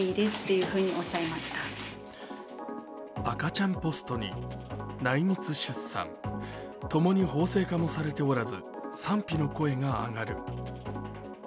赤ちゃんポストに内密出産、共に法制化もされておらず賛否の声が上がる。